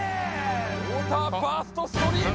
ウォーターバーストストリーム